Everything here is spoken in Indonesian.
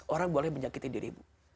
orang boleh menyakiti dirimu